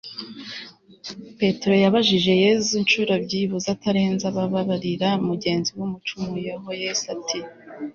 petero yabajije yezu inshuro byibuze atarenza ababarira mugenzi we umucumuyeho. yezu ati